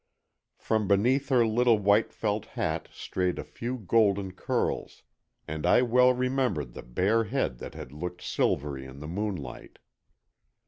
From beneath her little white felt hat strayed a few golden curls, and I well remembered the bare head that had looked silvery in the moonlight.